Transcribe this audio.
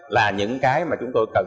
là những cái mà chúng tôi cần